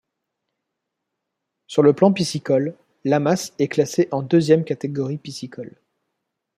Sur le plan piscicole, l'Amasse est classée en deuxième catégorie piscicole.